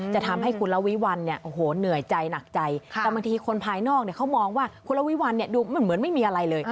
จะทำให้คุณละวิวัลเนี่ยโอ้โหเหนื่อยใจหนักใจแต่บางทีคนภายนอกเขามองว่าคุณละวิวัลดูมันเหมือนไม่มีอะไรเลย